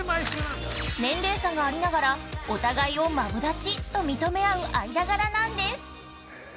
年齢差がありながらお互いをマブダチと認め合う間柄なんです。